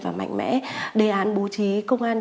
và mạnh mẽ đề án bố trí công an